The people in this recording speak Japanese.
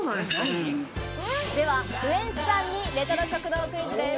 ではウエンツさんにレトロ食堂クイズです。